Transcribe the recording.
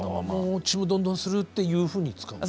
もうちむどんどんするっていうふうに使う？